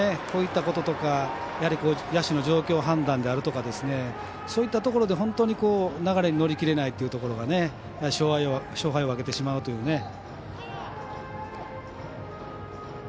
こういったこととかやはり野手の状況判断であるとかそういったところで本当に流れに乗りきれないというところが勝敗を分けてしまうというね。